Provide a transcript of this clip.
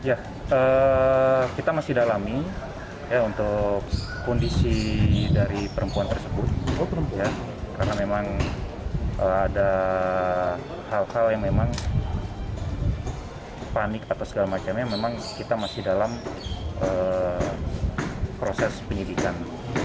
ada hal hal yang memang panik atau segala macamnya memang kita masih dalam proses penyelidikan